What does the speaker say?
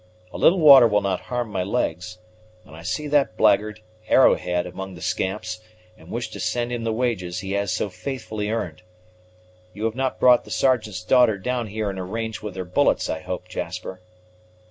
A little water will not harm my legs; and I see that blackguard, Arrowhead, among the scamps, and wish to send him the wages he has so faithfully earned. You have not brought the Sergeant's daughter down here in a range with their bullets, I hope, Jasper?"